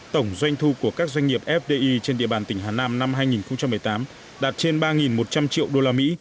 tổng doanh thu của các doanh nghiệp fdi trên địa bàn tỉnh hà nam năm hai nghìn một mươi tám đạt trên ba một trăm linh triệu usd